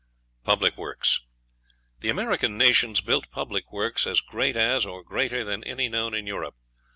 Public Works. The American nations built public works as great as or greater than any known in Europe.